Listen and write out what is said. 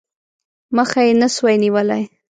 مخه یې نه سوای نیولای.